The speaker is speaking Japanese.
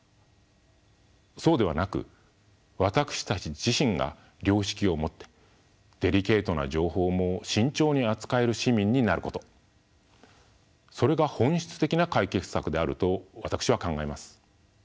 そうではなく私たち自身が良識を持ってデリケートな情報も慎重に扱える市民になることそれが本質的な解決策であると私は考えます。